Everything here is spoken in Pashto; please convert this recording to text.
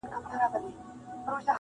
له محشره نه دی کم هغه ساعت چي,